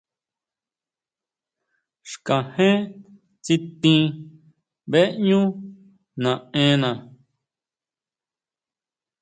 Xkajén tsitin beʼñú naʼena.